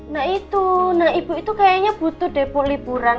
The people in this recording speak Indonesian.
nah itu nah ibu itu kayaknya butuh depok liburan